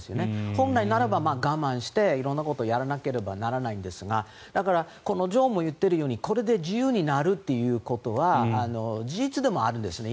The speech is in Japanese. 本来なら我慢して色んなことをやらないといけないんですがだから、女王も言っているようにこれで自由になるということは事実でもあるんですね。